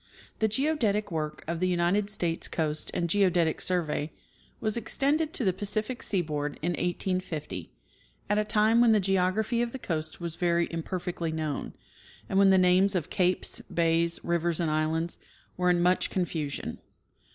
The geodetic work of the United States Coast and Geodetic Survey was extended to the Pacific seaboard in 1850, at a time when the geography of the coast was very imperfectly known, and when the names of capes, bays, rivers and islands were in much confusion.